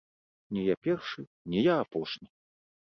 Не я першы, не я апошні!